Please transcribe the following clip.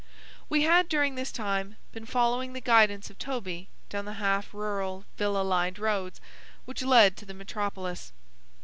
We had during this time been following the guidance of Toby down the half rural villa lined roads which lead to the metropolis.